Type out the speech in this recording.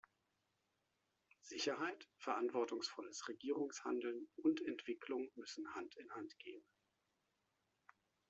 Sicherheit, verantwortungsvolles Regierungshandeln und Entwicklung müssen Hand in Hand gehen.